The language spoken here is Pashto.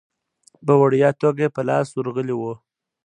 په وړیا توګه یې په لاس ورغلی وو.